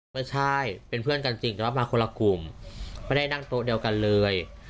เมาส์จริงยอมรับว่าเมาส์เมาส์กันเกือบหมดเลย